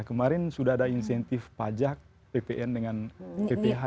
kemarin sudah ada insentif pajak ppn dengan pph